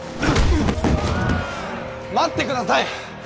待ってください！